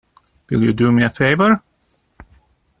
Will you do me a favour?